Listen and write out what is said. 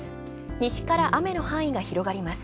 西から雨の範囲がひろがります。